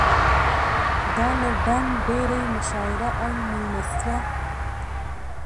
د اله ډنډ ډېرۍ مشاعره او مېلمستیا.